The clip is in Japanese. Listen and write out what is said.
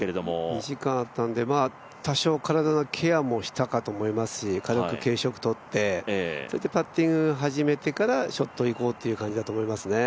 ２時間あったんで、多少体のケアもしたかと思いますし軽く軽食をとって、パッティングを始めてからショットに行こうという感じだと思いますね。